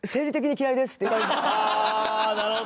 あなるほど！